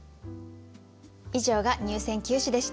以上が入選九首でした。